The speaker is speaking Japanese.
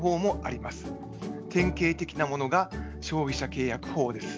典型的なものが消費者契約法です。